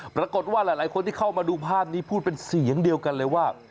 ปรากฏว่าหลายคนที่เข้ามาดูภาพนี้พูดเป็นเสียงเดียวกันเลยว่า